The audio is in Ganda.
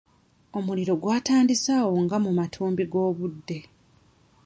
Omuliro gwatandise awo nga mu matumbi g'obudde.